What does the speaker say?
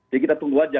jadi kita tunggu aja